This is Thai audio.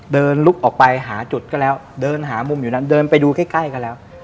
เดินลุกออกไปหาจุดก็แล้วเดินหามุมอยู่นั้นเดินไปดูใกล้กันแล้ว